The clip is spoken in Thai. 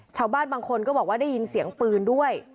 ชาวบ้านบางคนก็บอกว่าได้ยินเสียงปืนด้วย